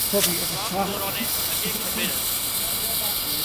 ڪانڪ سوران نين اڳي کٻير هتي